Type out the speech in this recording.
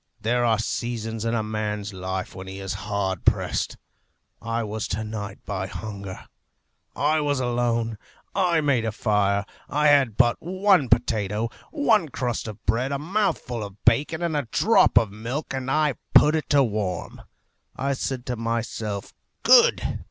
There are seasons in a man's life when he is hard pressed. I was to night, by hunger. I was alone. I made a fire. I had but one potato, one crust of bread, a mouthful of bacon, and a drop of milk, and I put it to warm. I said to myself, 'Good.'